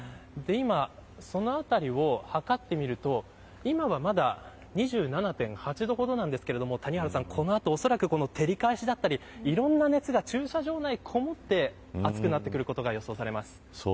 そのあたりを測ってみると今はまだ２７．８度ほどなんですがこの後おそらく照り返しだったりいろんな熱が駐車場内にこもって暑くなってくることが予想されます。